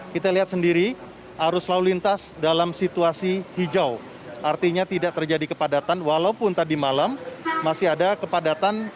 kita lihat sendiri arus lalu lintas dalam situasi hijau artinya tidak terjadi kepadatan walaupun tadi malam masih ada kepadatan